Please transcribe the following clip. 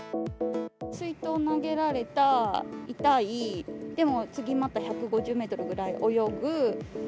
水筒を投げられた、痛い、でも次また１５０メートルぐらい泳ぐ。